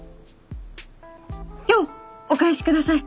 今日お返し下さい。